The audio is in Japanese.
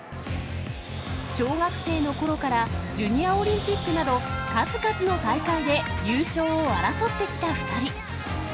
小学生のころから、ジュニアオリンピックなど、数々の大会で優勝を争ってきた２人。